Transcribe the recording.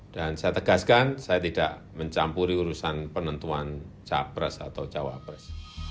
dan saya tegaskan saya tidak mencampuri urusan penentuan capres atau cawapres